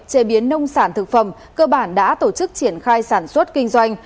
chế biến nông sản thực phẩm cơ bản đã tổ chức triển khai sản xuất kinh doanh